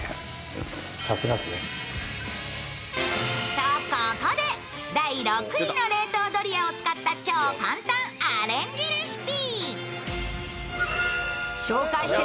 と、ここで第６位の冷凍ドリアを使った超簡単アレンジレシピ！